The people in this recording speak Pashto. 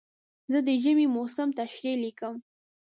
زه د ژمي موسم تشریح لیکم.